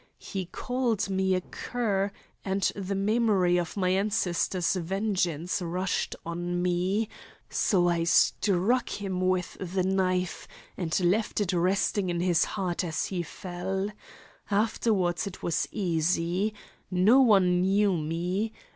He called me a cur, and the memory of my ancestor's vengeance rushed on me, so I struck him with the knife, and left it resting in his heart as he fell. Afterwards it was easy. No one knew me.